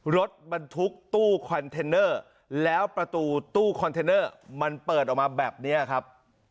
รถบรรทุกตู้คอนเทนเนอร์แล้วประตูตู้คอนเทนเนอร์มันเปิดออกมาแบบนี้ครับ